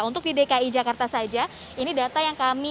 untuk di dki jakarta saja ini adalah kasus positif covid sembilan belas